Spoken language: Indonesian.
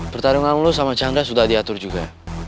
pertarungan lo sama chandra sudah diatur juga